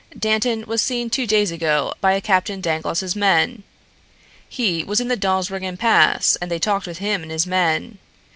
Dantan was seen two days ago by Captain Dangloss's men. He was in the Dawsbergen pass and they talked with him and his men.